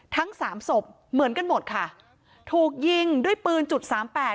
ทั้งสามศพเหมือนกันหมดค่ะถูกยิงด้วยปืนจุดสามแปด